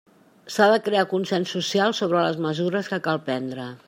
S'ha de crear consens social sobre les mesures que cal prendre.